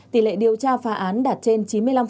tỷ lệ điều tra phá án đạt trên chín mươi năm